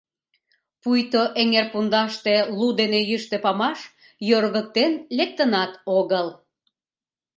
Пуйто эҥер пундаште лу дене йӱштӧ памаш йоргыктен лектынат огыл.